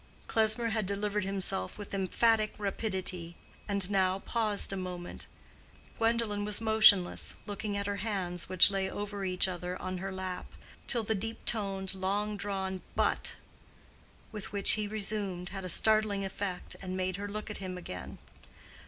Klesmer had delivered himself with emphatic rapidity, and now paused a moment. Gwendolen was motionless, looking at her hands, which lay over each other on her lap, till the deep toned, long drawn "But," with which he resumed, had a startling effect, and made her look at him again.